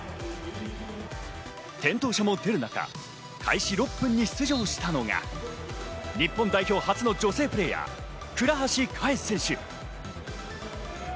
転倒者も出る中、開始６分に出場したのが日本代表初の女性プレーヤー・倉橋香衣選手。